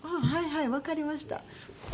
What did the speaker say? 「はいはいわかりました」。